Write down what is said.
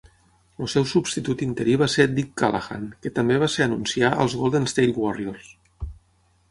El seu substitut interí va ser Dick Callahan, que també va ser anunciar als Golden State Warriors.